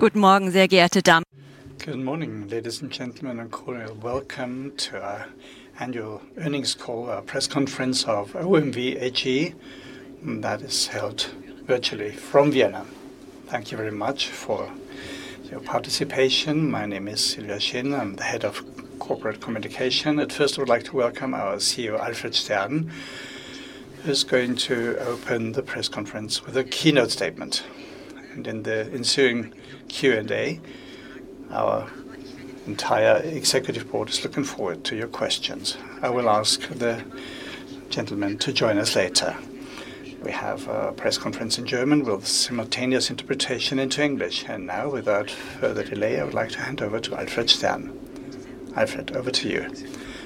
Good morning, ladies and gentlemen, and a cordial welcome to our Annual Earnings Call, press conference of OMV AG, that is held virtually from Vienna. Thank you very much for your participation. My name is Sylvia Shin. I'm the Head of Corporate Communication. At first, I would like to welcome our CEO, Alfred Stern, who's going to open the press conference with a keynote statement. In the ensuing Q&A, our entire executive board is looking forward to your questions. I will ask the gentlemen to join us later. We have a press conference in German with simultaneous interpretation into English. Now, without further delay, I would like to hand over to Alfred Stern. Alfred, over to you.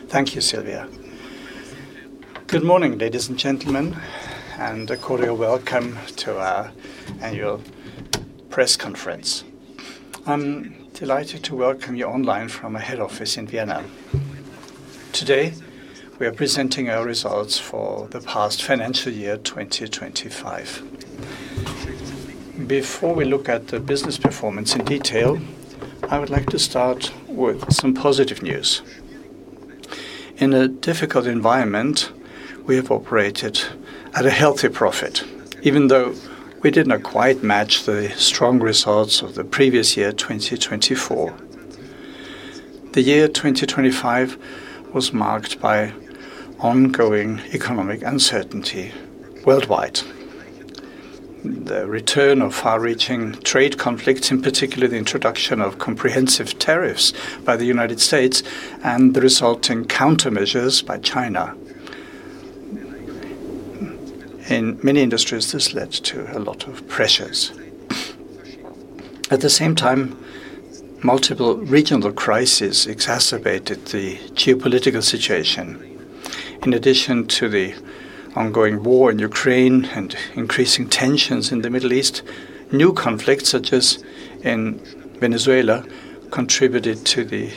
Thank you, Sylvia. Good morning, ladies and gentlemen, and a cordial welcome to our annual press conference. I'm delighted to welcome you online from our head office in Vienna. Today, we are presenting our results for the past financial year, 2025. Before we look at the business performance in detail, I would like to start with some positive news. In a difficult environment, we have operated at a healthy profit, even though we did not quite match the strong results of the previous year, 2024. The year 2025 was marked by ongoing economic uncertainty worldwide. The return of far-reaching trade conflicts, in particular, the introduction of comprehensive tariffs by the United States and the resulting countermeasures by China. In many industries, this led to a lot of pressures. At the same time, multiple regional crises exacerbated the geopolitical situation. In addition to the ongoing war in Ukraine and increasing tensions in the Middle East, new conflicts, such as in Venezuela, contributed to the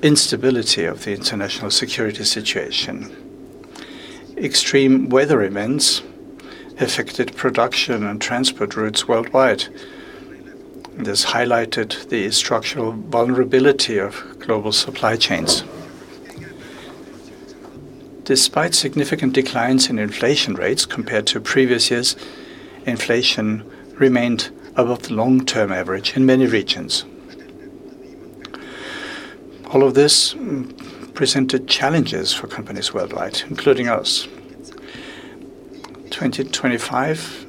instability of the international security situation. Extreme weather events affected production and transport routes worldwide. This highlighted the structural vulnerability of global supply chains. Despite significant declines in inflation rates compared to previous years, inflation remained above the long-term average in many regions. All of this presented challenges for companies worldwide, including us. 2025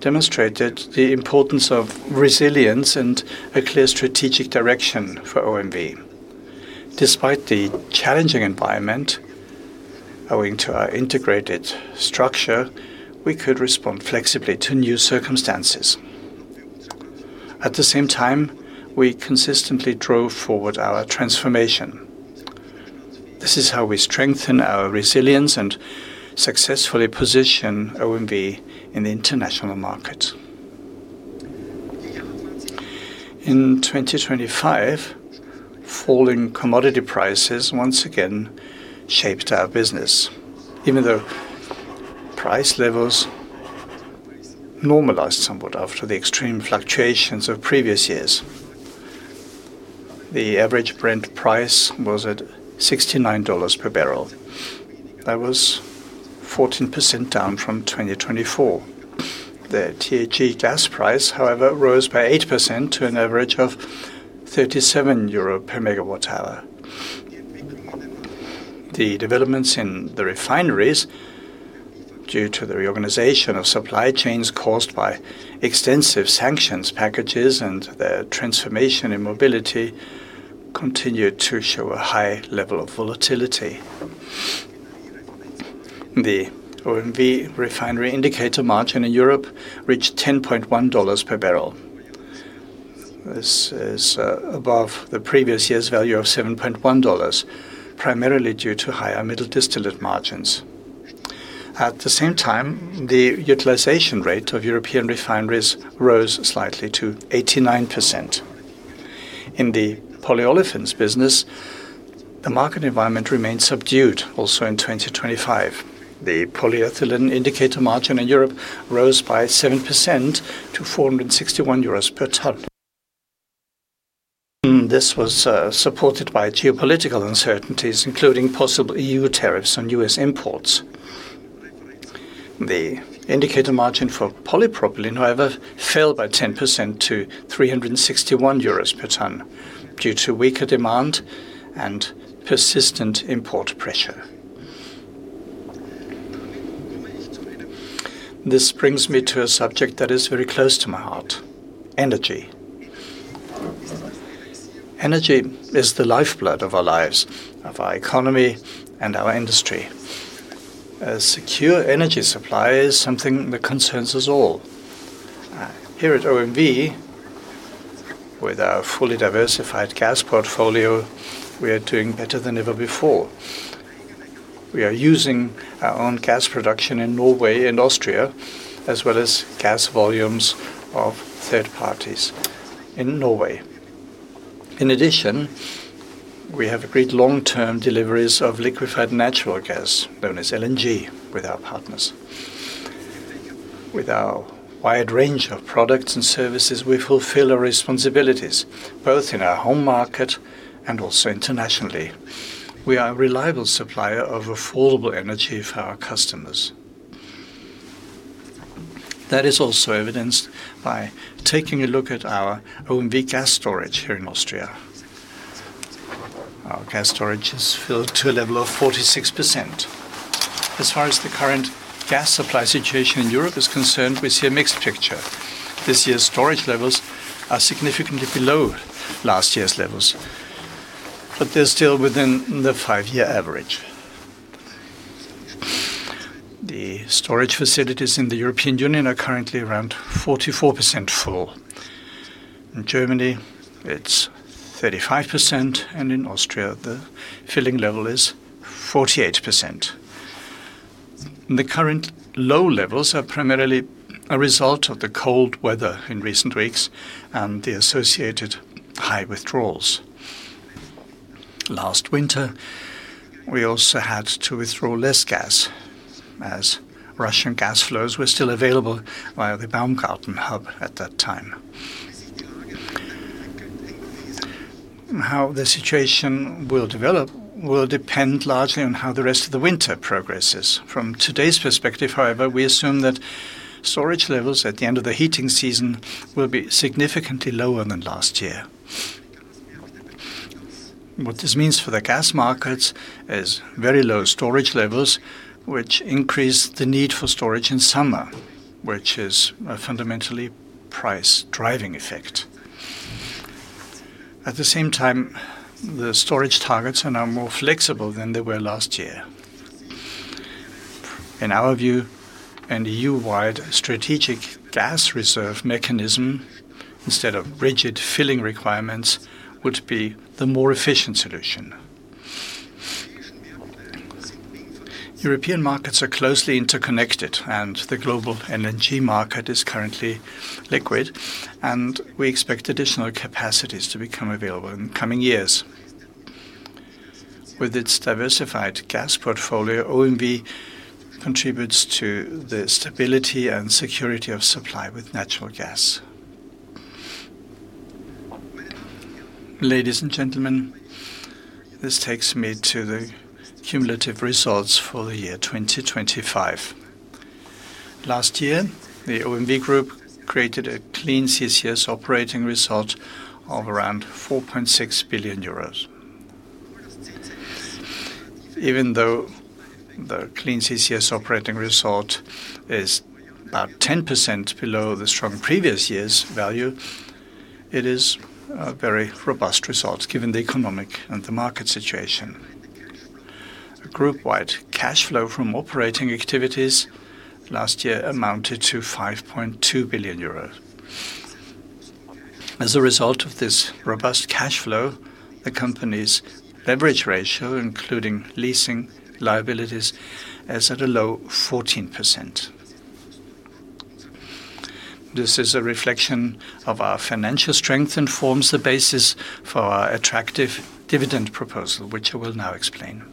demonstrated the importance of resilience and a clear strategic direction for OMV. Despite the challenging environment, owing to our integrated structure, we could respond flexibly to new circumstances. At the same time, we consistently drove forward our transformation. This is how we strengthen our resilience and successfully position OMV in the international market. In 2025, falling commodity prices once again shaped our business, even though price levels normalized somewhat after the extreme fluctuations of previous years. The average Brent price was at $69 per barrel. That was 14% down from 2024. The THE gas price, however, rose by 8% to an average of 37 euro per megawatt-hour. The developments in the refineries, due to the reorganization of supply chains caused by extensive sanctions packages and the transformation in mobility, continued to show a high level of volatility. The OMV refinery indicator margin in Europe reached $10.1 per barrel. This is above the previous year's value of $7.1, primarily due to higher middle distillate margins. At the same time, the utilization rate of European refineries rose slightly to 89%. In the polyolefins business, the market environment remained subdued, also in 2025. The Polyethylene Indicator Margin in Europe rose by 7% to 461 euros per ton. This was supported by geopolitical uncertainties, including possible EU tariffs on U.S. imports. The indicator margin for polypropylene, however, fell by 10% to 361 euros per ton due to weaker demand and persistent import pressure. This brings me to a subject that is very close to my heart: energy. Energy is the lifeblood of our lives, of our economy and our industry. A secure energy supply is something that concerns us all. Here at OMV, with our fully diversified gas portfolio, we are doing better than ever before. We are using our own gas production in Norway and Austria, as well as gas volumes of third parties in Norway. In addition, we have agreed long-term deliveries of liquefied natural gas, known as LNG, with our partners. With our wide range of products and services, we fulfill our responsibilities, both in our home market and also internationally. We are a reliable supplier of affordable energy for our customers. That is also evidenced by taking a look at our OMV gas storage here in Austria. Our gas storage is filled to a level of 46%. As far as the current gas supply situation in Europe is concerned, we see a mixed picture. This year's storage levels are significantly below last year's levels, but they're still within the five-year average. The storage facilities in the European Union are currently around 44% full. In Germany, it's 35%, and in Austria, the filling level is 48%. The current low levels are primarily a result of the cold weather in recent weeks and the associated high withdrawals. Last winter, we also had to withdraw less gas, as Russian gas flows were still available via the Baumgarten hub at that time. How the situation will develop will depend largely on how the rest of the winter progresses. From today's perspective, however, we assume that storage levels at the end of the heating season will be significantly lower than last year. What this means for the gas markets is very low storage levels, which increase the need for storage in summer, which is a fundamentally price-driving effect. At the same time, the storage targets are now more flexible than they were last year. In our view, an EU-wide strategic gas reserve mechanism, instead of rigid filling requirements, would be the more efficient solution. European markets are closely interconnected, and the global LNG market is currently liquid, and we expect additional capacities to become available in the coming years. With its diversified gas portfolio, OMV contributes to the stability and security of supply with natural gas. Ladies and gentlemen, this takes me to the cumulative results for the year 2025. Last year, the OMV Group created a Clean CCS Operating Result of around 4.6 billion euros. Even though the Clean CCS Operating Result is about 10% below the strong previous year's value, it is a very robust result, given the economic and the market situation. A group-wide cash flow from operating activities last year amounted to 5.2 billion euros. As a result of this robust cash flow, the company's leverage ratio, including leasing liabilities, is at a low 14%. This is a reflection of our financial strength and forms the basis for our attractive dividend proposal, which I will now explain.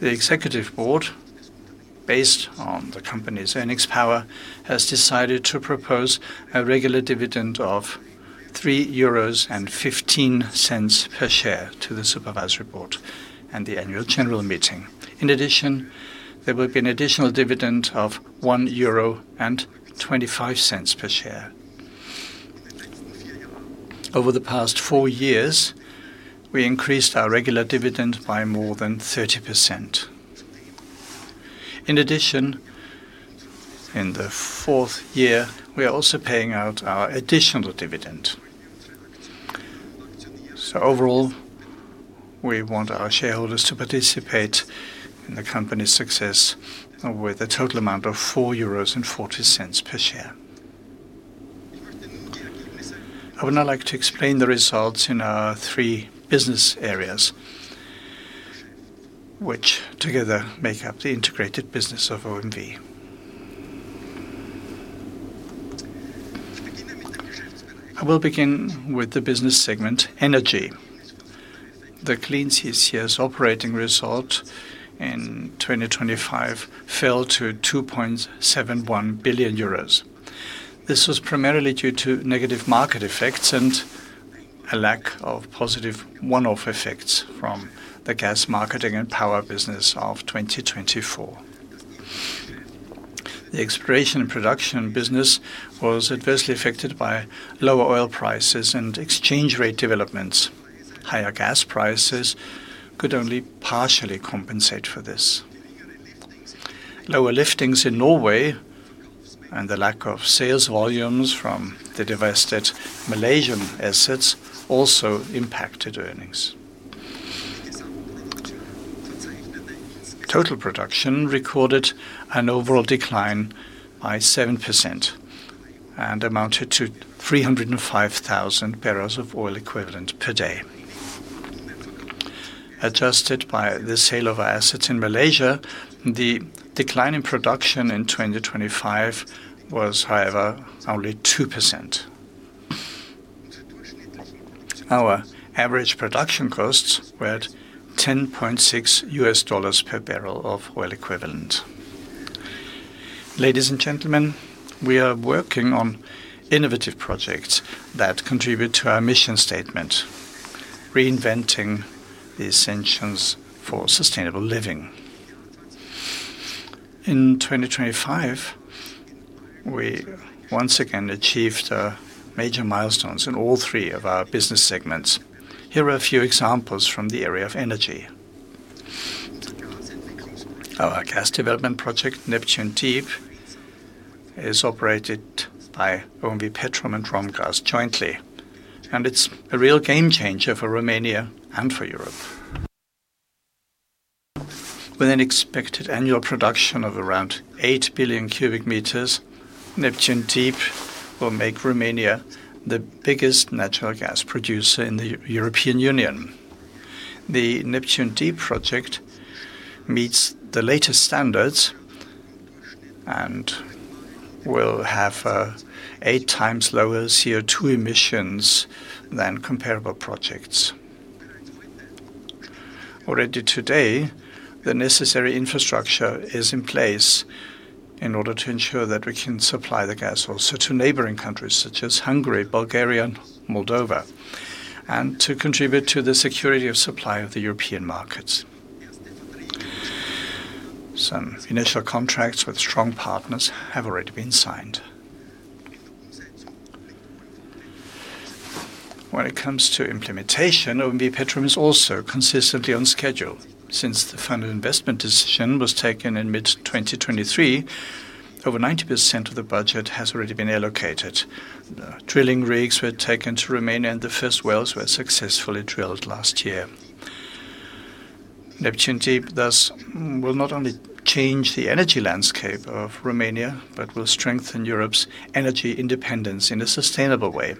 The executive board, based on the company's earnings power, has decided to propose a regular dividend of 3.15 euros per share to the supervisory board and the annual general meeting. In addition, there will be an additional dividend of 1.25 euro per share. Over the past four years, we increased our regular dividend by more than 30%. In addition, in the fourth year, we are also paying out our additional dividend. So overall, we want our shareholders to participate in the company's success with a total amount of 4.40 euros per share. I would now like to explain the results in our three business areas, which together make up the integrated business of OMV. I will begin with the business segment, energy. The Clean CCS Operating Result in 2025 fell to 2.71 billion euros. This was primarily due to negative market effects and a lack of positive one-off effects from the gas marketing and power business of 2024. The exploration and production business was adversely affected by lower oil prices and exchange rate developments. Higher gas prices could only partially compensate for this. Lower liftings in Norway and the lack of sales volumes from the divested Malaysian assets also impacted earnings. Total production recorded an overall decline by 7% and amounted to 305,000 barrels of oil equivalent per day, adjusted by the sale of our assets in Malaysia, the decline in production in 2025 was, however, only 2%. Our average production costs were at $10.6 per barrel of oil equivalent. Ladies and gentlemen, we are working on innovative projects that contribute to our mission statement, reinventing the essentials for sustainable living. In 2025, we once again achieved major milestones in all three of our business segments. Here are a few examples from the area of energy. Our gas development project, Neptun Deep, is operated by OMV Petrom and ROMGAZ jointly, and it's a real game changer for Romania and for Europe. With an expected annual production of around 8 billion cubic meters, Neptun Deep will make Romania the biggest natural gas producer in the European Union. The Neptun Deep project meets the latest standards and will have 8 times lower CO2 emissions than comparable projects. Already today, the necessary infrastructure is in place in order to ensure that we can supply the gas also to neighboring countries such as Hungary, Bulgaria, and Moldova, and to contribute to the security of supply of the European markets. Some initial contracts with strong partners have already been signed. When it comes to implementation, OMV Petrom is also consistently on schedule. Since the final investment decision was taken in mid-2023, over 90% of the budget has already been allocated. The drilling rigs were taken to Romania, and the first wells were successfully drilled last year. Neptun Deep, thus, will not only change the energy landscape of Romania, but will strengthen Europe's energy independence in a sustainable way.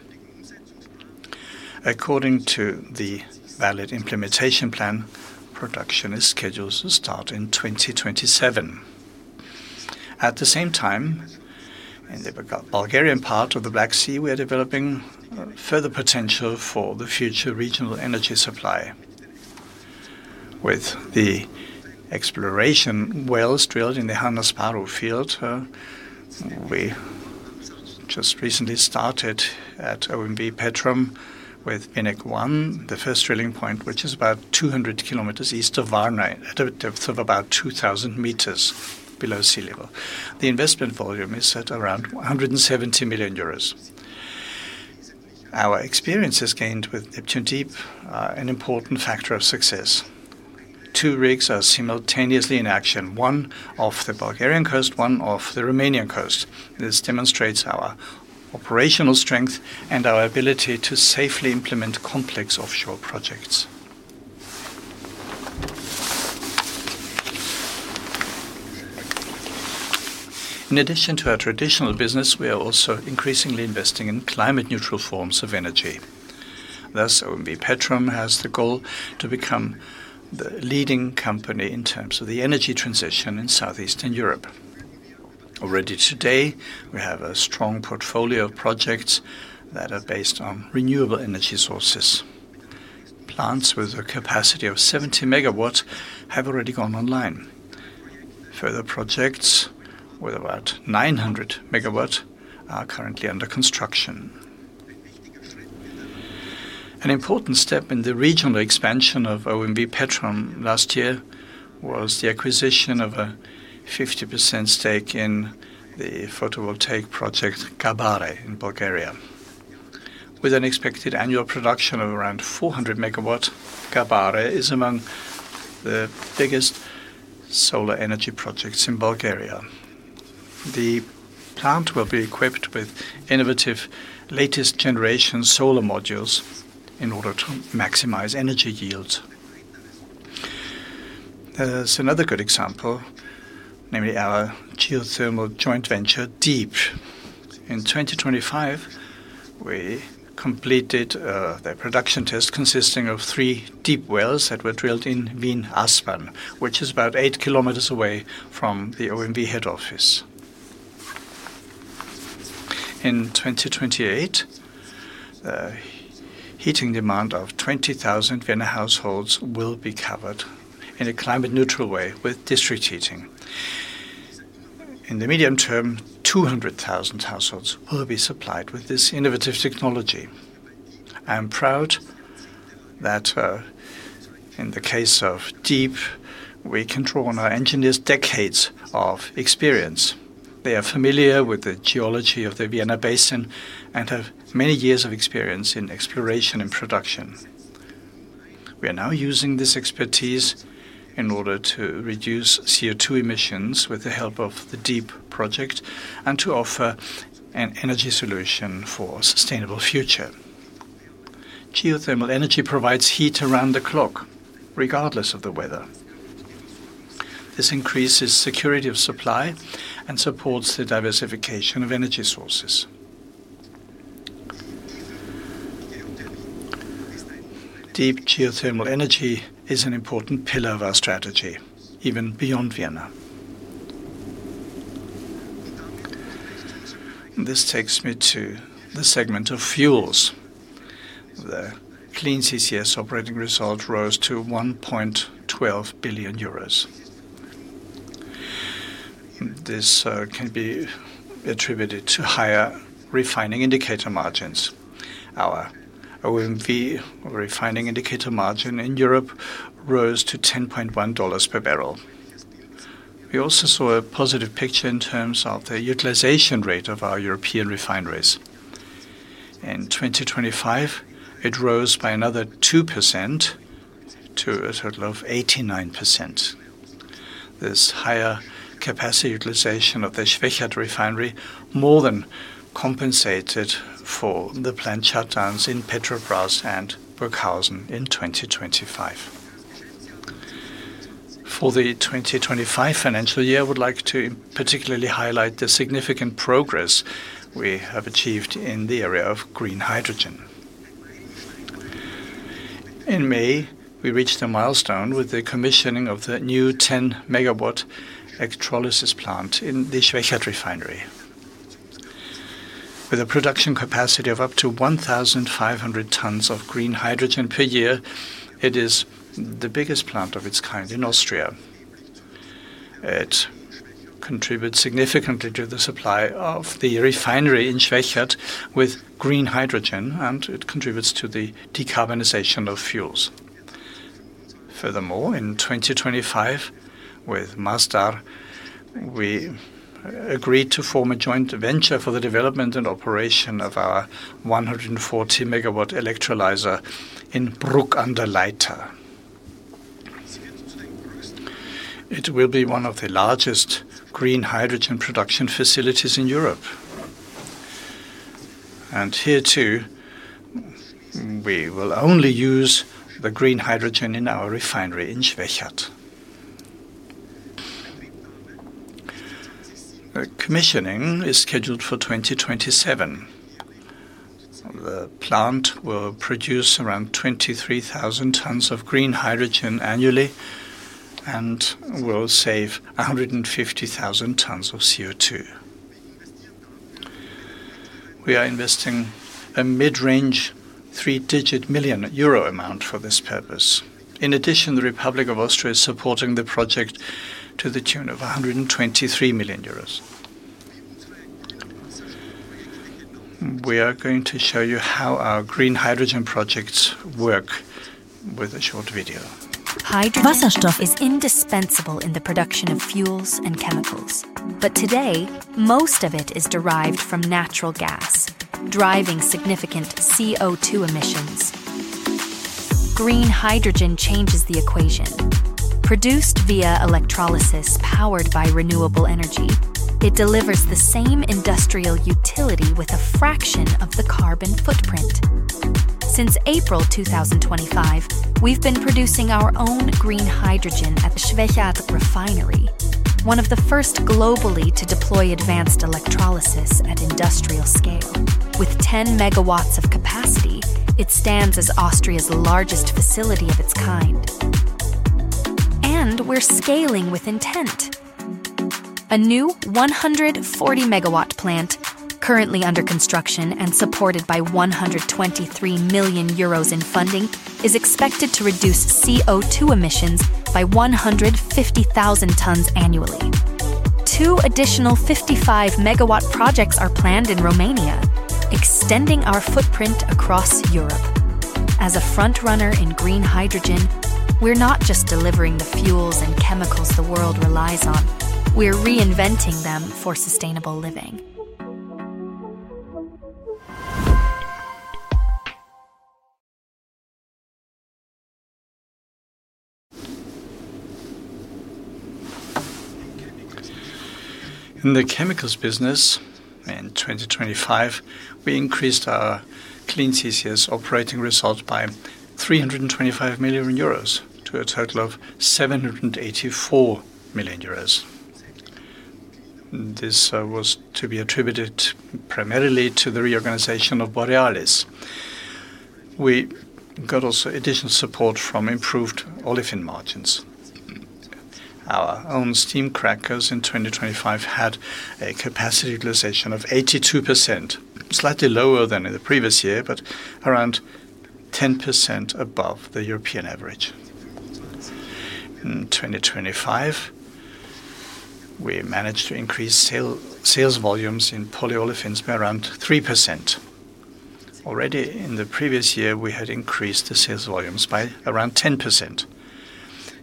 According to the valid implementation plan, production is scheduled to start in 2027. At the same time, in the Bulgarian part of the Black Sea, we are developing further potential for the future regional energy supply. With the exploration wells drilled in the Han Asparuh field, we just recently started at OMV Petrom with Vineh-1, the first drilling point, which is about 200 kilometers east of Varna, at a depth of about 2,000 meters below sea level. The investment volume is set around 170 million euros. Our experiences gained with Neptun Deep are an important factor of success. Two rigs are simultaneously in action, one off the Bulgarian coast, one off the Romanian coast. This demonstrates our operational strength and our ability to safely implement complex offshore projects. In addition to our traditional business, we are also increasingly investing in climate-neutral forms of energy. Thus, OMV Petrom has the goal to become the leading company in terms of the energy transition in Southeastern Europe. Already today, we have a strong portfolio of projects that are based on renewable energy sources. Plants with a capacity of 70 megawatts have already gone online. Further projects with about 900 megawatts are currently under construction. An important step in the regional expansion of OMV Petrom last year was the acquisition of a 50% stake in the photovoltaic project, Gabare, in Bulgaria. With an expected annual production of around 400 megawatts, Gabare is among the biggest solar energy projects in Bulgaria. The plant will be equipped with innovative, latest generation solar modules in order to maximize energy yield. There's another good example, namely our geothermal joint venture, deeep. In 2025, we completed the production test consisting of three deep wells that were drilled in Wien Aspern, which is about eight kilometers away from the OMV head office. In 2028, the heating demand of 20,000 Vienna households will be covered in a climate-neutral way with district heating. In the medium term, 200,000 households will be supplied with this innovative technology. I am proud that in the case of Deep, we can draw on our engineers' decades of experience. They are familiar with the geology of the Vienna Basin and have many years of experience in exploration and production. We are now using this expertise in order to reduce CO₂ emissions with the help of the deeep project and to offer an energy solution for a sustainable future. Geothermal energy provides heat around the clock, regardless of the weather. This increases security of supply and supports the diversification of energy sources, deeep geothermal energy is an important pillar of our strategy, even beyond Vienna. This takes me to the segment of fuels. The Clean CCS Operating Result rose to 1.12 billion euros. This can be attributed to higher Refining Indicator Margins. Our OMV Refining Indicator Margin in Europe rose to $10.1 per barrel. We also saw a positive picture in terms of the utilization rate of our European refineries. In 2025, it rose by another 2% to a total of 89%. This higher capacity utilization of the Schwechat Refinery more than compensated for the planned shutdowns in Petrobrazi and Burghausen in 2025. For the 2025 financial year, I would like to particularly highlight the significant progress we have achieved in the area of green hydrogen. In May, we reached a milestone with the commissioning of the new 10-MW electrolysis plant in the Schwechat Refinery. With a production capacity of up to 1,500 tons of green hydrogen per year, it is the biggest plant of its kind in Austria. It contributes significantly to the supply of the refinery in Schwechat with green hydrogen, and it contributes to the decarbonization of fuels. Furthermore, in 2025, with Masdar, we agreed to form a joint venture for the development and operation of our 140-MW electrolyzer in Bruck an der Leitha. It will be one of the largest green hydrogen production facilities in Europe. And here, too, we will only use the green hydrogen in our refinery in Schwechat. The commissioning is scheduled for 2027. The plant will produce around 23,000 tons of green hydrogen annually and will save 150,000 tons of CO2. We are investing a mid-range three-digit million EUR amount for this purpose. In addition, the Republic of Austria is supporting the project to the tune of 123 million euros. We are going to show you how our green hydrogen projects work with a short video. Hydrogen is indispensable in the production of fuels and chemicals, but today, most of it is derived from natural gas, driving significant CO2 emissions. Green hydrogen changes the equation. Produced via electrolysis, powered by renewable energy, it delivers the same industrial utility with a fraction of the carbon footprint. Since April 2025, we've been producing our own green hydrogen at the Schwechat Refinery, one of the first globally to deploy advanced electrolysis at industrial scale. With 10 MW of capacity, it stands as Austria's largest facility of its kind, and we're scaling with intent. A new 140-MW plant, currently under construction and supported by 123 million euros in funding, is expected to reduce CO2 emissions by 150,000 tons annually. Two additional 55-MW projects are planned in Romania, extending our footprint across Europe. As a frontrunner in green hydrogen, we're not just delivering the fuels and chemicals the world relies on, we're reinventing them for sustainable living. In the chemicals business, in 2025, we increased our Clean CCS Operating Results by 325 million euros to a total of 784 million euros. This was to be attributed primarily to the reorganization of Borealis. We got also additional support from improved olefin margins. Our own steam crackers in 2025 had a capacity utilization of 82%, slightly lower than in the previous year, but around 10% above the European average. In 2025, we managed to increase sales volumes in polyolefins by around 3%. Already in the previous year, we had increased the sales volumes by around 10%.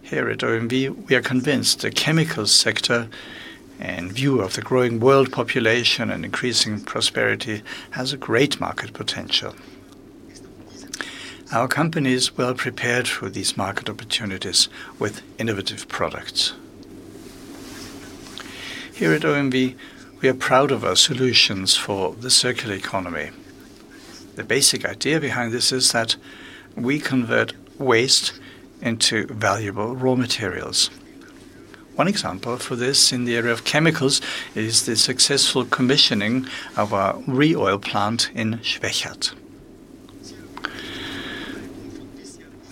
Here at OMV, we are convinced the chemical sector, in view of the growing world population and increasing prosperity, has a great market potential. Our company is well-prepared for these market opportunities with innovative products. Here at OMV, we are proud of our solutions for the circular economy. The basic idea behind this is that we convert waste into valuable raw materials.... One example for this in the area of chemicals is the successful commissioning of our ReOil plant in Schwechat.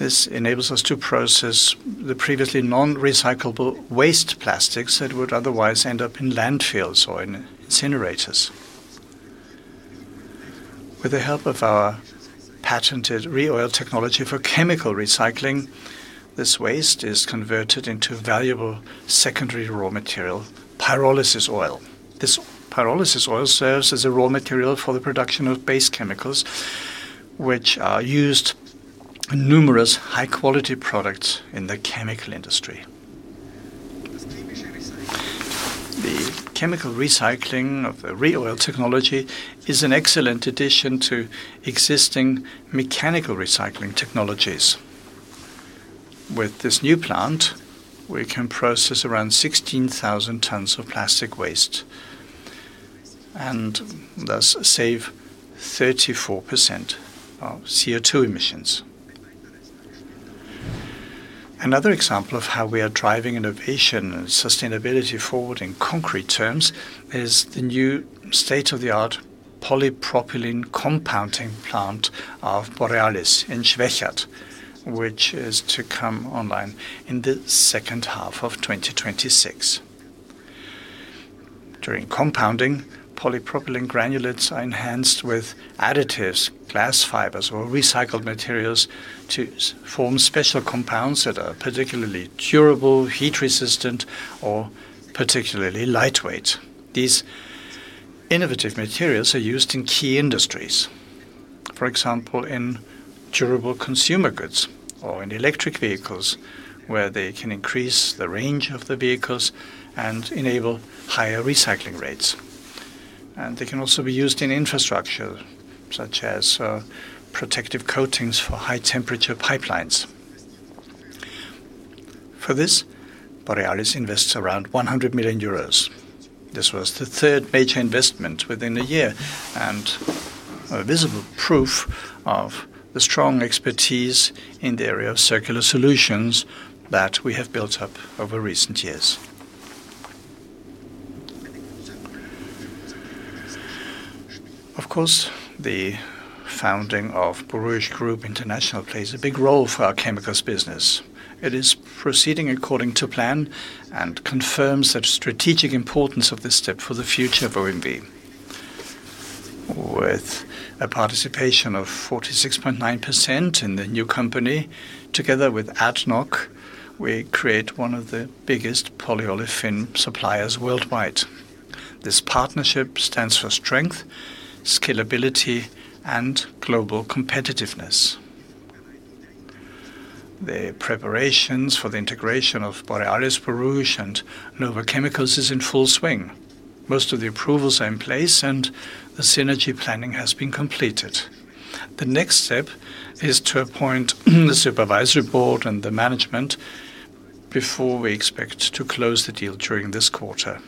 This enables us to process the previously non-recyclable waste plastics that would otherwise end up in landfills or in incinerators. With the help of our patented ReOil technology for chemical recycling, this waste is converted into valuable secondary raw material, pyrolysis oil. This pyrolysis oil serves as a raw material for the production of base chemicals, which are used in numerous high-quality products in the chemical industry. The chemical recycling of the ReOil technology is an excellent addition to existing mechanical recycling technologies. With this new plant, we can process around 16,000 tons of plastic waste, and thus save 34% of CO2 emissions. Another example of how we are driving innovation and sustainability forward in concrete terms is the new state-of-the-art polypropylene compounding plant of Borealis in Schwechat, which is to come online in the second half of 2026. During compounding, polypropylene granulates are enhanced with additives, glass fibers, or recycled materials to form special compounds that are particularly durable, heat-resistant, or particularly lightweight. These innovative materials are used in key industries. For example, in durable consumer goods or in electric vehicles, where they can increase the range of the vehicles and enable higher recycling rates. They can also be used in infrastructure, such as protective coatings for high-temperature pipelines. For this, Borealis invests around 100 million euros. This was the third major investment within a year, and a visible proof of the strong expertise in the area of circular solutions that we have built up over recent years. Of course, the founding of Borouge Group International plays a big role for our chemicals business. It is proceeding according to plan and confirms the strategic importance of this step for the future of OMV. With a participation of 46.9% in the new company, together with ADNOC, we create one of the biggest polyolefin suppliers worldwide. This partnership stands for strength, scalability, and global competitiveness. The preparations for the integration of Borealis, Borouge, and Nova Chemicals is in full swing. Most of the approvals are in place, and the synergy planning has been completed. The next step is to appoint the supervisory board and the management before we expect to close the deal during this quarter.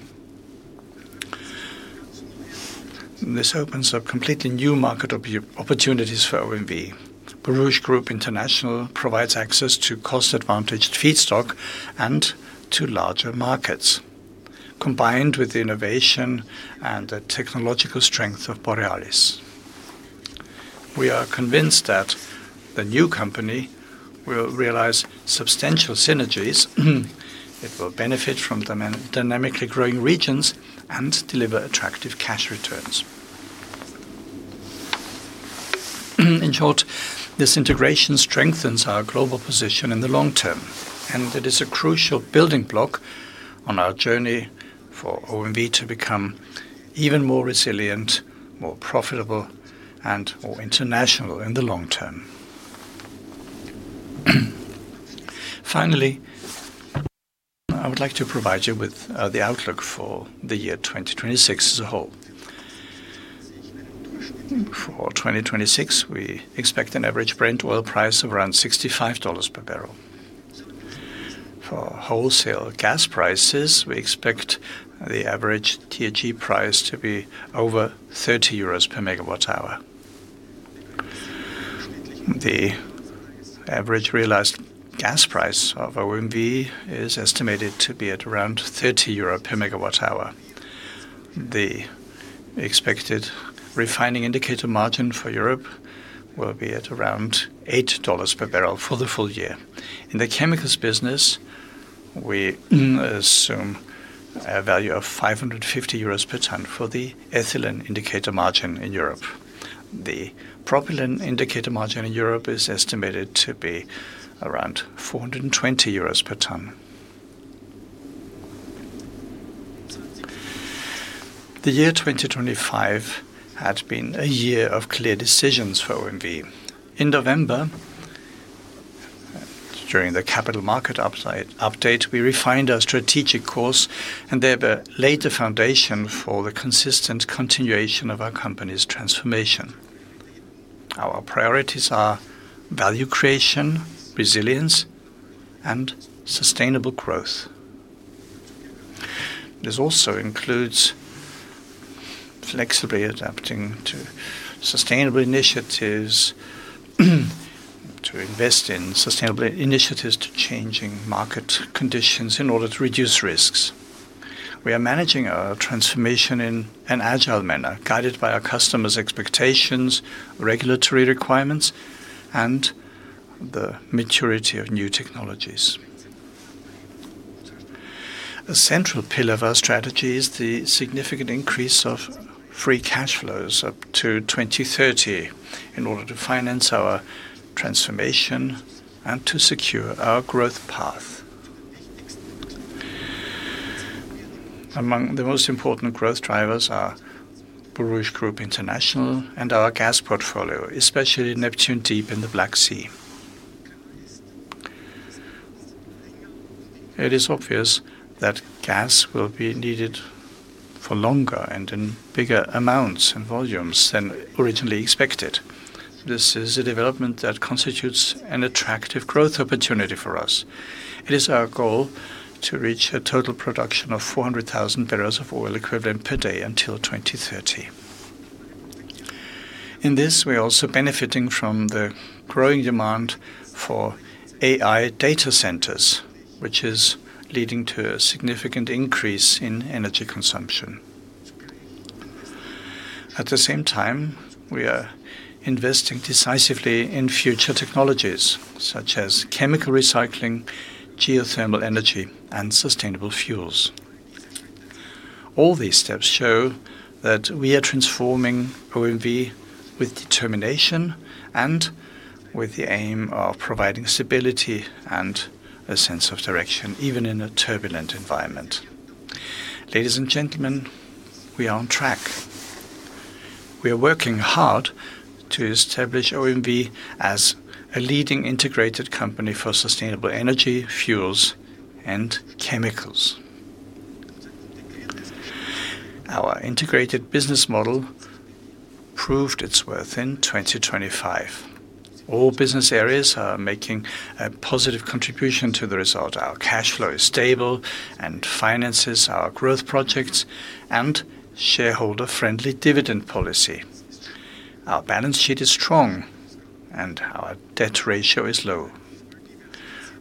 This opens up completely new market opportunities for OMV. Borouge Group International provides access to cost-advantaged feedstock and to larger markets, combined with the innovation and the technological strength of Borealis. We are convinced that the new company will realize substantial synergies. It will benefit from dynamically growing regions and deliver attractive cash returns. In short, this integration strengthens our global position in the long term, and it is a crucial building block on our journey for OMV to become even more resilient, more profitable, and more international in the long term. Finally, I would like to provide you with the outlook for the year 2026 as a whole. For 2026, we expect an average Brent oil price of around $65 per barrel. For wholesale gas prices, we expect the average THE price to be over 30 euros per megawatt hour. The average realized gas price of OMV is estimated to be at around 30 euro per megawatt hour. The expected Refining Indicator Margin for Europe will be at around $8 per barrel for the full year. In the chemicals business, we assume a value of 550 euros per ton for the Ethylene Indicator Margin in Europe. The Propylene Indicator Margin in Europe is estimated to be around 420 euros per ton. The year 2025 had been a year of clear decisions for OMV. In November, during the Capital Market Update, we refined our strategic course and thereby laid the foundation for the consistent continuation of our company's transformation. Our priorities are value creation, resilience, and sustainable growth. This also includes flexibly adapting to sustainable initiatives, to invest in sustainable initiatives, to changing market conditions in order to reduce risks. We are managing our transformation in an agile manner, guided by our customers' expectations, regulatory requirements, and the maturity of new technologies. A central pillar of our strategy is the significant increase of free cash flows up to 2030, in order to finance our transformation and to secure our growth path. Among the most important growth drivers are Borouge Group International and our gas portfolio, especially Neptun Deep in the Black Sea. It is obvious that gas will be needed for longer and in bigger amounts and volumes than originally expected. This is a development that constitutes an attractive growth opportunity for us. It is our goal to reach a total production of 400,000 barrels of oil equivalent per day until 2030. In this, we are also benefiting from the growing demand for AI data centers, which is leading to a significant increase in energy consumption. At the same time, we are investing decisively in future technologies, such as chemical recycling, geothermal energy, and sustainable fuels. All these steps show that we are transforming OMV with determination and with the aim of providing stability and a sense of direction, even in a turbulent environment. Ladies and gentlemen, we are on track. We are working hard to establish OMV as a leading integrated company for sustainable energy, fuels, and chemicals. Our integrated business model proved its worth in 2025. All business areas are making a positive contribution to the result. Our cash flow is stable and finances our growth projects and shareholder-friendly dividend policy. Our balance sheet is strong, and our debt ratio is low.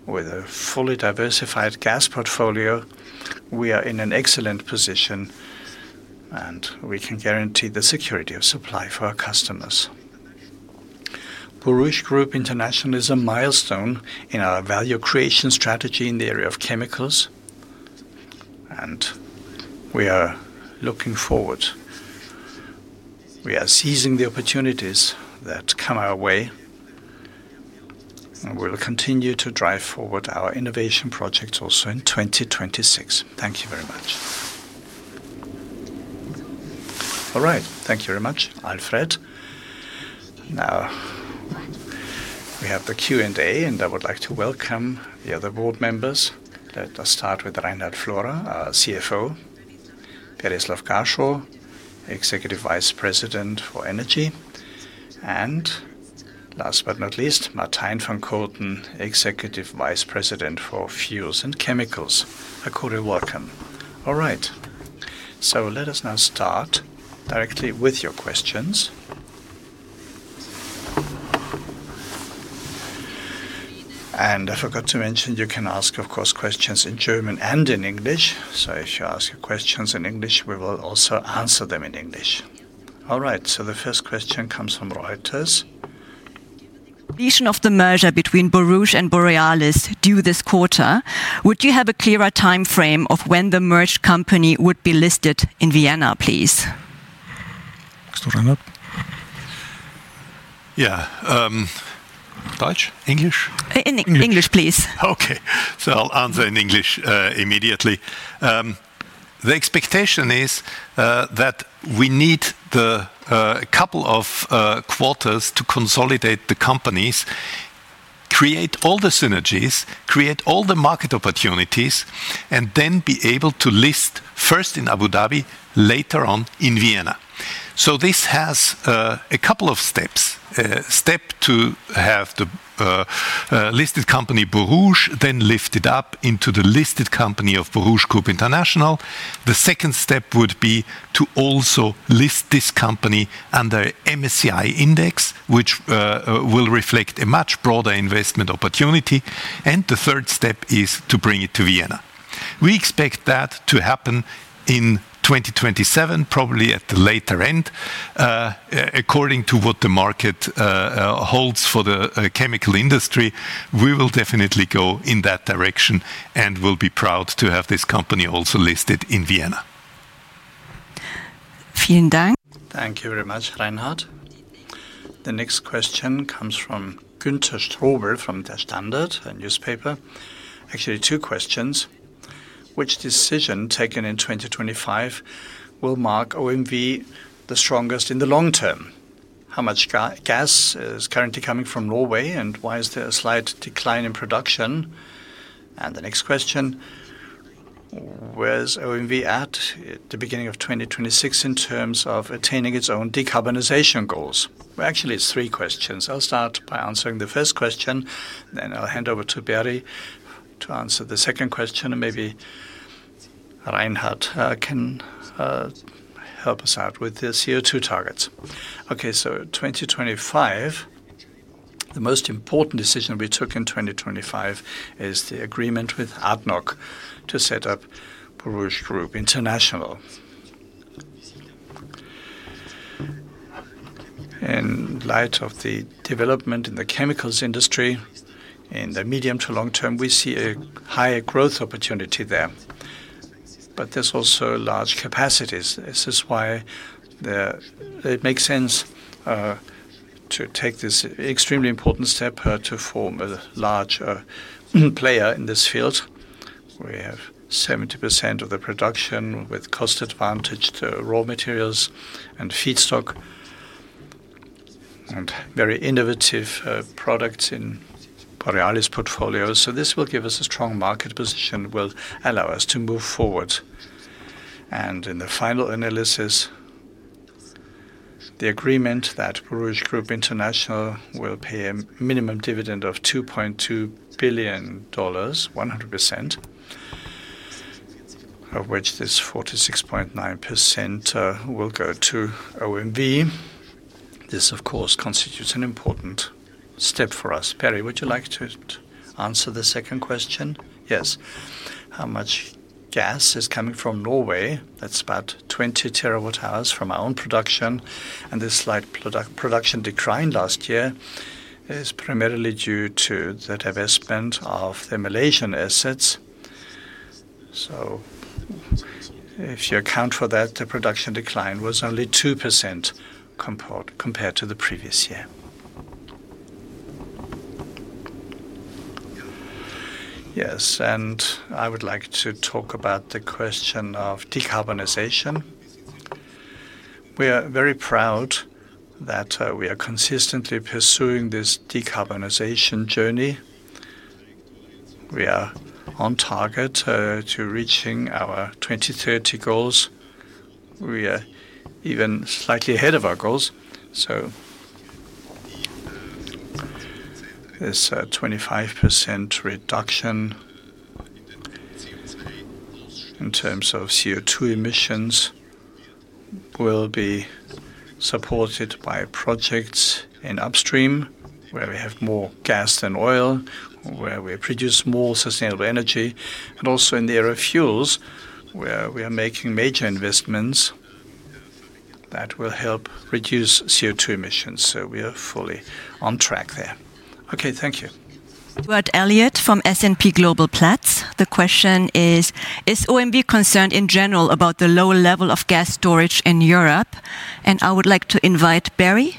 With a fully diversified gas portfolio, we are in an excellent position, and we can guarantee the security of supply for our customers. Borouge Group International is a milestone in our value creation strategy in the area of chemicals, and we are looking forward. We are seizing the opportunities that come our way, and we will continue to drive forward our innovation projects also in 2026. Thank you very much. All right. Thank you very much, Alfred. Now, we have the Q&A, and I would like to welcome the other board members. Let us start with Reinhard Florey, our CFO; Berislav Gašo, Executive Vice President for Energy; and last but not least, Martijn van Koten, Executive Vice President for Fuels and Chemicals. A cordial welcome. All right, so let us now start directly with your questions. And I forgot to mention, you can ask, of course, questions in German and in English. So if you ask your questions in English, we will also answer them in English. All right, the first question comes from Reuters. Completion of the merger between Borouge and Borealis due this quarter, would you have a clearer time frame of when the merged company would be listed in Vienna, please? Start up. Yeah, Dutch, English? In English, please. Okay, so I'll answer in English immediately. The expectation is that we need the couple of quarters to consolidate the companies, create all the synergies, create all the market opportunities, and then be able to list first in Abu Dhabi, later on in Vienna. So this has a couple of steps. Step to have the listed company, Borouge, then lifted up into the listed company of Borouge Group International. The second step would be to also list this company under MSCI index, which will reflect a much broader investment opportunity. And the third step is to bring it to Vienna. We expect that to happen in 2027, probably at the later end. According to what the market holds for the chemical industry, we will definitely go in that direction, and we'll be proud to have this company also listed in Vienna. Vien Dang. Thank you very much, Reinhard. The next question comes from Günther Strobl from Der Standard, a newspaper. Actually, two questions: Which decision taken in 2025 will mark OMV the strongest in the long term? How much gas is currently coming from Norway, and why is there a slight decline in production? And the next question: Where is OMV at, at the beginning of 2026, in terms of attaining its own decarbonization goals? Well, actually, it's three questions. I'll start by answering the first question, then I'll hand over to Berislav to answer the second question, and maybe Reinhard can help us out with the CO2 targets. Okay, so 2025, the most important decision we took in 2025 is the agreement with ADNOC to set up Borouge Group International. In light of the development in the chemicals industry, in the medium to long term, we see a higher growth opportunity there. But there's also large capacities. This is why it makes sense to take this extremely important step to form a large player in this field, where we have 70% of the production with cost-advantaged raw materials and feedstock, and very innovative products in Borealis portfolio. So this will give us a strong market position, will allow us to move forward. And in the final analysis, the agreement that Borouge Group International will pay a minimum dividend of $2.2 billion, 100% of which this 46.9% will go to OMV. This, of course, constitutes an important step for us. Barry, would you like to answer the second question? Yes. How much gas is coming from Norway? That's about 20 terawatt-hours from our own production, and this slight production decline last year is primarily due to the divestment of the Malaysian assets. So if you account for that, the production decline was only 2% compared to the previous year. Yes, and I would like to talk about the question of decarbonization. We are very proud that we are consistently pursuing this decarbonization journey. We are on target to reaching our 2030 goals. We are even slightly ahead of our goals, so this 25% reduction in terms of CO2 emissions will be supported by projects in upstream, where we have more gas and oil, where we produce more sustainable energy, and also in the aero fuels, where we are making major investments that will help reduce CO2 emissions. We are fully on track there. Okay, thank you. Stuart Elliott from S&P Global Platts. The question is: Is OMV concerned in general about the low level of gas storage in Europe? And I would like to invite Barry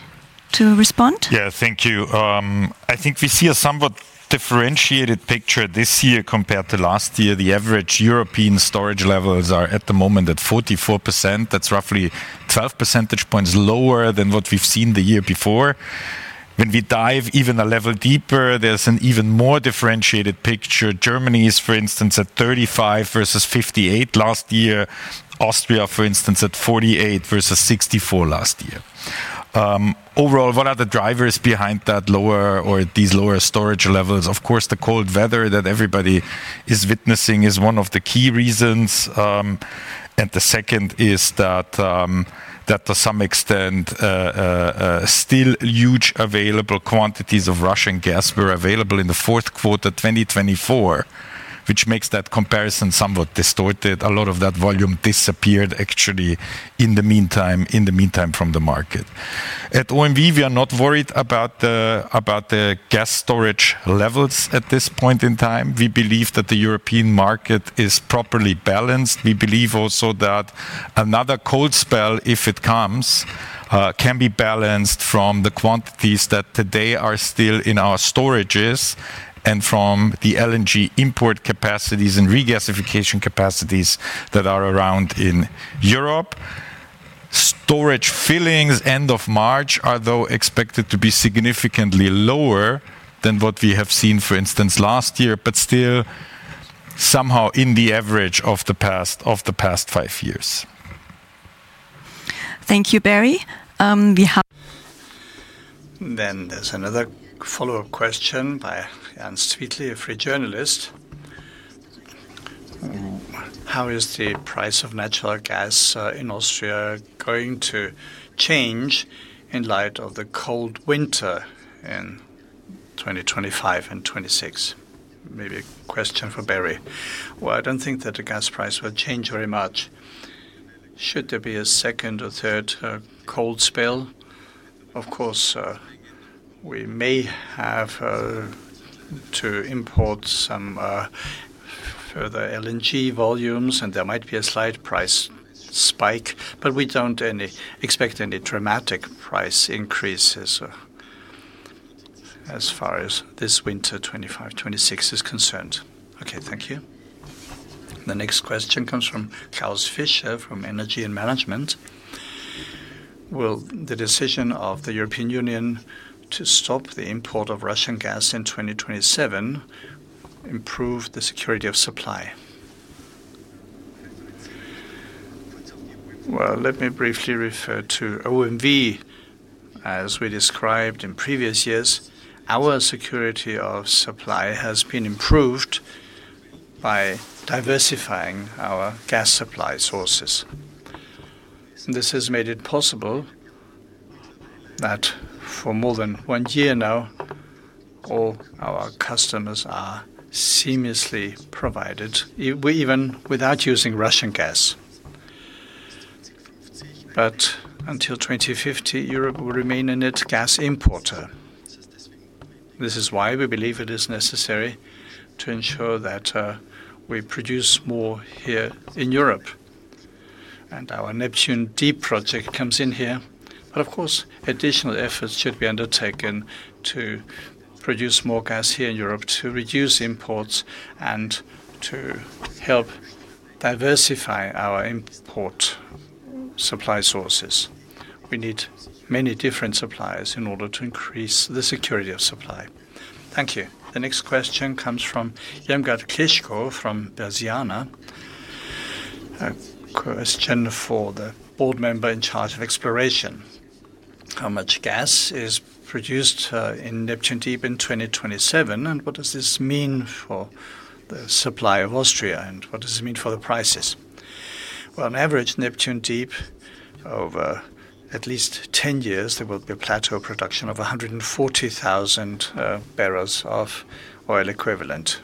to respond. Yeah, thank you. I think we see a somewhat differentiated picture this year compared to last year. The average European storage levels are, at the moment, at 44%. That's roughly 12 percentage points lower than what we've seen the year before. When we dive even a level deeper, there's an even more differentiated picture. Germany is, for instance, at 35 versus 58 last year. Austria, for instance, at 48 versus 64 last year. Overall, what are the drivers behind that lower or these lower storage levels? Of course, the cold weather that everybody is witnessing is one of the key reasons. And the second is that to some extent still huge available quantities of Russian gas were available in the fourth quarter, 2024, which makes that comparison somewhat distorted. A lot of that volume disappeared actually in the meantime from the market. At OMV, we are not worried about the gas storage levels at this point in time. We believe that the European market is properly balanced. We believe also that another cold spell, if it comes, can be balanced from the quantities that today are still in our storages and from the LNG import capacities and regasification capacities that are around in Europe. Storage fillings end of March are though expected to be significantly lower than what we have seen, for instance, last year, but still somehow in the average of the past five years. Thank you, Barry. We have- Then there's another follow-up question by Anne Swetly, a freelance journalist. How is the price of natural gas in Austria going to change in light of the cold winter in 2025 and 2026? Maybe a question for Barry. Well, I don't think that the gas price will change very much. Should there be a second or third cold spell, of course, we may have to import some further LNG volumes, and there might be a slight price spike, but we don't expect any dramatic price increases as far as this winter 2025-2026 is concerned. Okay, thank you. The next question comes from Klaus Fischer, from Energie & Management. Will the decision of the European Union to stop the import of Russian gas in 2027 improve the security of supply? Well, let me briefly refer to OMV. As we described in previous years, our security of supply has been improved by diversifying our gas supply sources. This has made it possible that for more than one year now, all our customers are seamlessly provided even without using Russian gas. But until 2050, Europe will remain a net gas importer. This is why we believe it is necessary to ensure that we produce more here in Europe, and our Neptun Deep project comes in here. But of course, additional efforts should be undertaken to produce more gas here in Europe, to reduce imports and to help diversify our import supply sources. We need many different suppliers in order to increase the security of supply. Thank you. The next question comes from Irmgard Kischko from Börsianer. A question for the board member in charge of exploration: How much gas is produced in Neptun Deep in 2027, and what does this mean for the supply of Austria, and what does it mean for the prices? Well, on average, Neptun Deep, over at least 10 years, there will be a plateau production of 140,000 barrels of oil equivalent.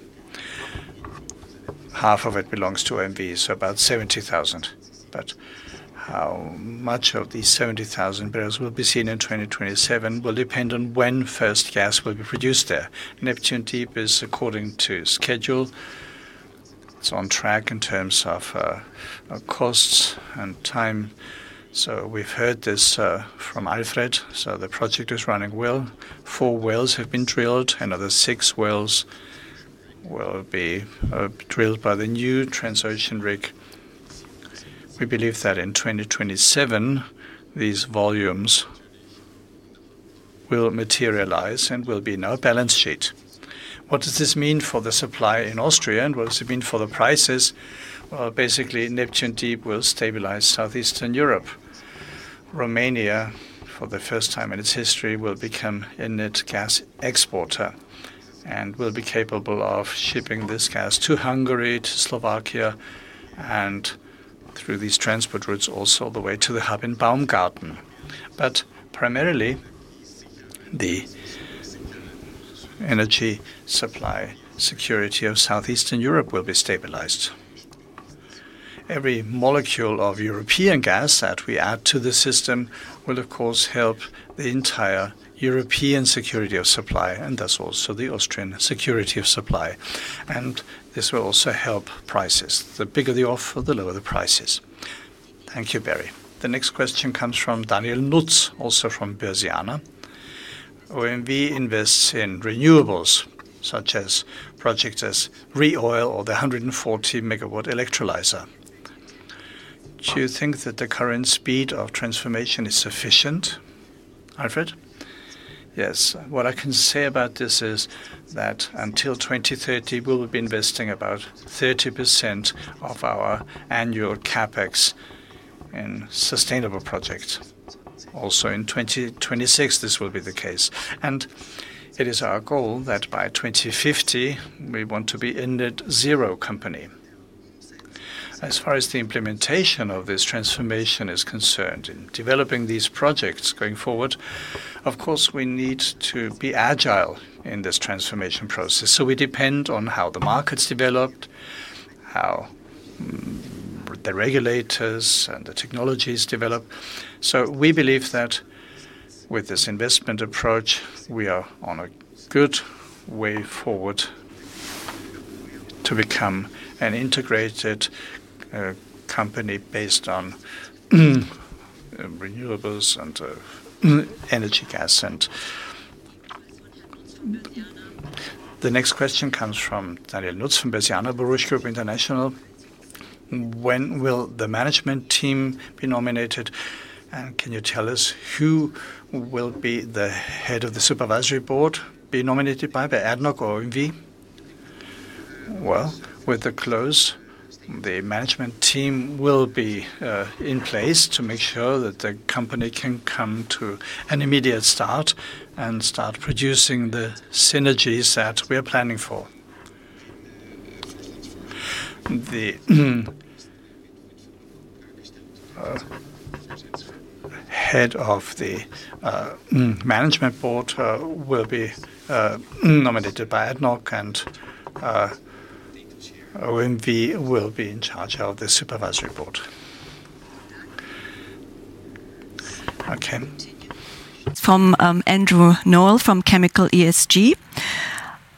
Half of it belongs to OMV, so about 70,000. But how much of these 70,000 barrels will be seen in 2027 will depend on when first gas will be produced there. Neptun Deep is according to schedule. It's on track in terms of costs and time. So we've heard this from Alfred, so the project is running well. Four wells have been drilled, another six wells will be drilled by the new Transocean rig. We believe that in 2027, these volumes will materialize and will be in our balance sheet. What does this mean for the supply in Austria, and what does it mean for the prices? Well, basically, Neptun Deep will stabilize Southeastern Europe. Romania, for the first time in its history, will become a net gas exporter and will be capable of shipping this gas to Hungary, to Slovakia, and through these transport routes, also all the way to the hub in Baumgarten. But primarily, the energy supply security of Southeastern Europe will be stabilized. Every molecule of European gas that we add to the system will, of course, help the entire European security of supply, and thus also the Austrian security of supply. And this will also help prices. The bigger the offer, the lower the prices. Thank you, Barry. The next question comes from Daniela Lutz, also from Börsianer. OMV invests in renewables, such as projects as ReOil or the 140-megawatt electrolyzer. Do you think that the current speed of transformation is sufficient, Alfred? Yes. What I can say about this is that until 2030, we will be investing about 30% of our annual CapEx in sustainable projects. Also, in 2026, this will be the case. And it is our goal that by 2050, we want to be a net zero company. As far as the implementation of this transformation is concerned, in developing these projects going forward, of course, we need to be agile in this transformation process. So we depend on how the market's developed, how the regulators and the technologies develop. So we believe that with this investment approach, we are on a good way forward to become an integrated company based on renewables and energy gas and from Börsianer. The next question comes from Daniela Lutz from Börsianer, Borouge Group International: When will the management team be nominated, and can you tell us who will be the head of the supervisory board be nominated by the ADNOC or OMV? Well, with the close, the management team will be in place to make sure that the company can come to an immediate start and start producing the synergies that we are planning for. The head of the management board will be nominated by ADNOC, and OMV will be in charge of the supervisory board. Okay. From Andrew Noel from Chemical ESG: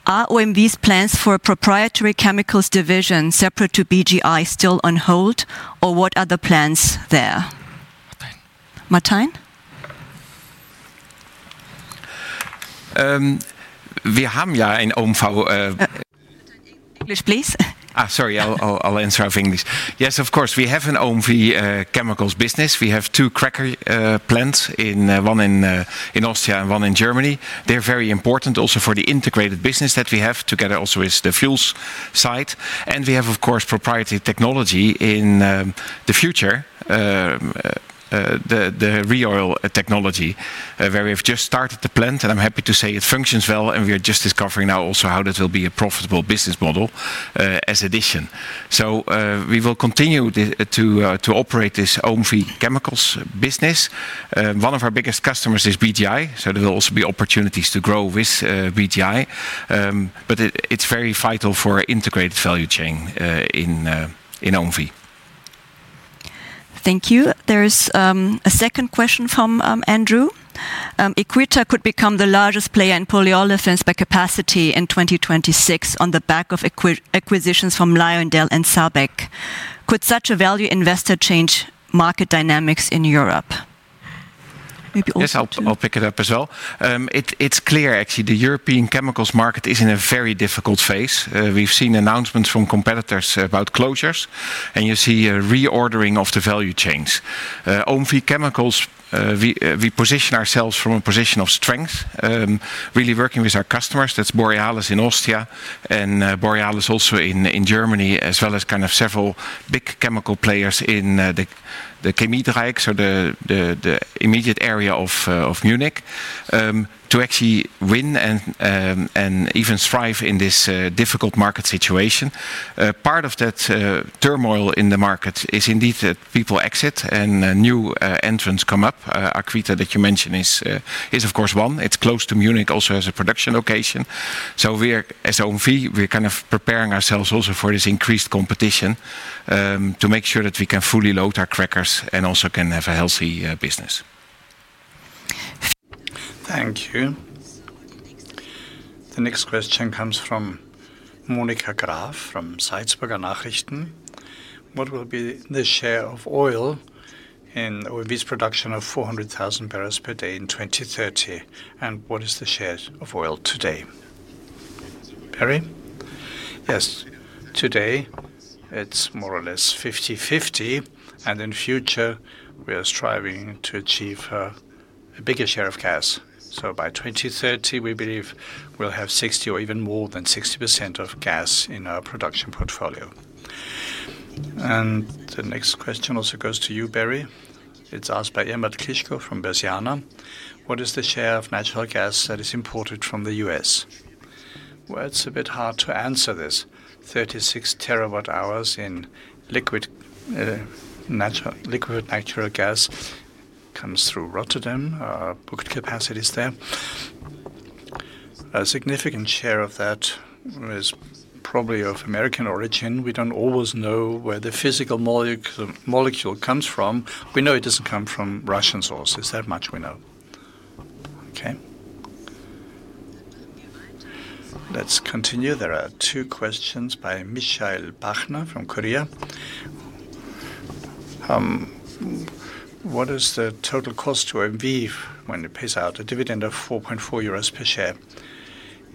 Are OMV's plans for a proprietary chemicals division separate to BGI still on hold, or what are the plans there? Martijn. Martijn? We have in OMV, English, please. Sorry, I'll answer in English. Yes, of course, we have an OMV chemicals business. We have two cracker plants: one in Austria and one in Germany. They're very important also for the integrated business that we have together, also with the fuels side. We have, of course, proprietary technology in the future, the ReOil technology, where we have just started the plant, and I'm happy to say it functions well, and we are just discovering now also how this will be a profitable business model as addition. So, we will continue to operate this OMV Chemicals business. One of our biggest customers is BGI, so there will also be opportunities to grow with BGI. But it's very vital for our integrated value chain in OMV. Thank you. There's a second question from Andrew. "Equita could become the largest player in polyolefins by capacity in 2026 on the back of acquisitions from LyondellBasell and SABIC. Could such a value investor change market dynamics in Europe?" Maybe also- Yes, I'll pick it up as well. It's clear, actually, the European chemicals market is in a very difficult phase. We've seen announcements from competitors about closures, and you see a reordering of the value chains. OMV Chemicals, we position ourselves from a position of strength, really working with our customers. That's Borealis in Austria and Borealis also in Germany, as well as kind of several big chemical players in the Chemie Dreieck, so the immediate area of Munich, to actually win and even thrive in this difficult market situation. Part of that turmoil in the market is indeed that people exit and new entrants come up. AEQUITA, that you mentioned, is of course, one. It's close to Munich, also has a production location. So we are, as OMV, we're kind of preparing ourselves also for this increased competition to make sure that we can fully load our crackers and also can have a healthy business. Thank you. The next question comes from Monika Graf, from Salzburger Nachrichten: "What will be the share of oil in OMV's production of 400,000 barrels per day in 2030? And what is the share of oil today? Berislav?" Yes. Today, it's more or less 50/50, and in future, we are striving to achieve a bigger share of gas. So by 2030, we believe we'll have 60% or even more than 60% of gas in our production portfolio. And the next question also goes to you, Berislav. It's asked by Irmgard Kischko from Börsianer: "What is the share of natural gas that is imported from the U.S.?" Well, it's a bit hard to answer this. 36 terawatt-hours in liquid natural gas comes through Rotterdam, our booked capacity is there. A significant share of that is probably of American origin. We don't always know where the physical molecule, molecule comes from. We know it doesn't come from Russian sources. That much we know. Okay. Let's continue. There are two questions by Michael Bachner from Kurier. "What is the total cost to OMV when it pays out a dividend of 4.4 euros per share?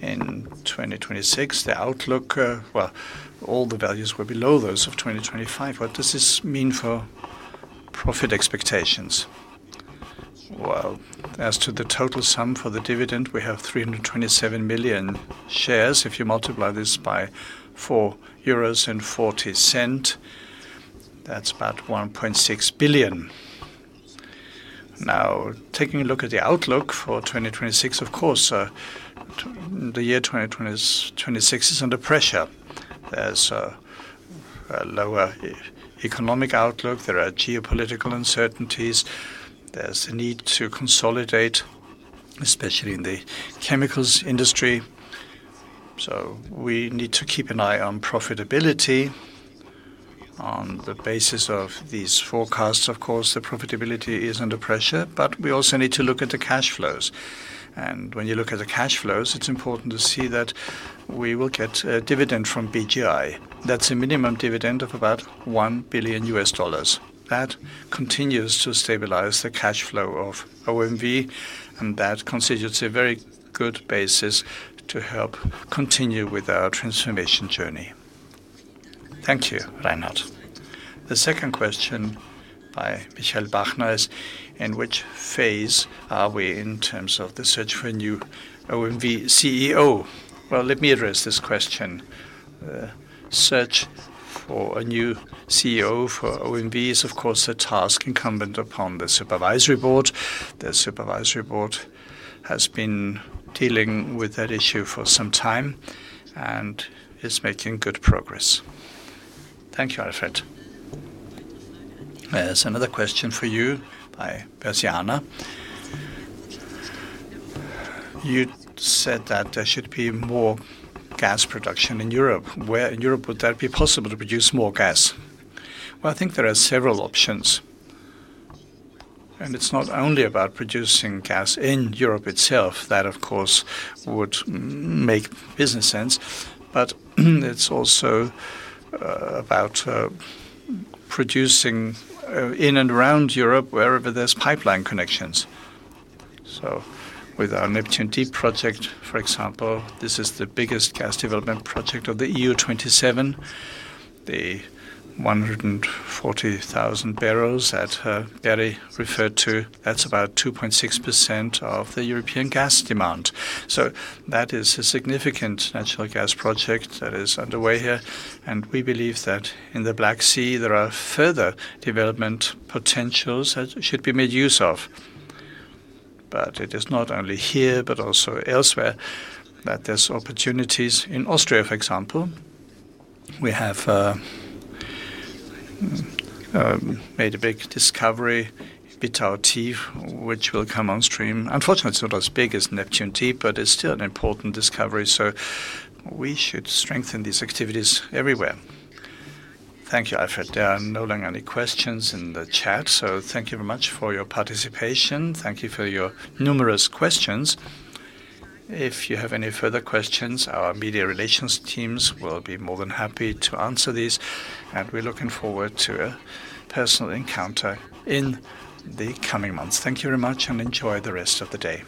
In 2026, the outlook, well, all the values were below those of 2025. What does this mean for profit expectations?" Well, as to the total sum for the dividend, we have 327 million shares. If you multiply this by 4.40 euros, that's about 1.6 billion. Now, taking a look at the outlook for 2026, of course, the year 2026 is under pressure. There's a lower economic outlook, there are geopolitical uncertainties, there's a need to consolidate, especially in the chemicals industry. So we need to keep an eye on profitability. On the basis of these forecasts, of course, the profitability is under pressure, but we also need to look at the cash flows. And when you look at the cash flows, it's important to see that we will get a dividend from BGI. That's a minimum dividend of about $1 billion. That continues to stabilize the cash flow of OMV, and that constitutes a very good basis to help continue with our transformation journey. Thank you, Reinhard. The second question by Michael Bachner is: "In which phase are we in terms of the search for a new OMV CEO?" Well, let me address this question. Search for a new CEO for OMV is, of course, a task incumbent upon the supervisory board. The supervisory board has been dealing with that issue for some time and is making good progress. Thank you, Alfred. There's another question for you by Börsianer. "You said that there should be more gas production in Europe. Where in Europe would that be possible to produce more gas?" Well, I think there are several options, and it's not only about producing gas in Europe itself, that, of course, would make business sense, but it's also about producing in and around Europe, wherever there's pipeline connections. So with our Neptun Deep project, for example, this is the biggest gas development project of the EU 27. The 140,000 barrels that Berislav referred to, that's about 2.6% of the European gas demand. So that is a significant natural gas project that is underway here, and we believe that in the Black Sea, there are further development potentials that should be made use of. But it is not only here but also elsewhere, that there's opportunities. In Austria, for example, we have made a big discovery, Wittau Tief, which will come on stream. Unfortunately, it's not as big as Neptun Deep, but it's still an important discovery, so we should strengthen these activities everywhere. Thank you, Alfred. There are no longer any questions in the chat, so thank you very much for your participation. Thank you for your numerous questions. If you have any further questions, our media relations teams will be more than happy to answer these, and we're looking forward to a personal encounter in the coming months. Thank you very much, and enjoy the rest of the day.